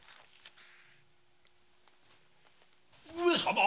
上様！